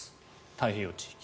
太平洋地域。